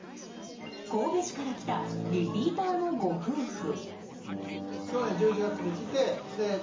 神戸市から来たリピーターのご夫婦。